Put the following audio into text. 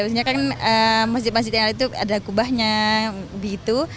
sebenarnya kan masjid masjid yang ada itu ada kubahnya bitu